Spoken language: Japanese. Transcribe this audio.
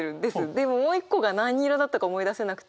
でももう一個が何色だったか思い出せなくて。